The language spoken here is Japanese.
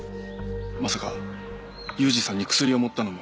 まさか裕二さんに薬を盛ったのも。